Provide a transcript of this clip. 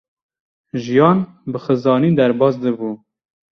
Jiyan bi xêzanî derbas dibû.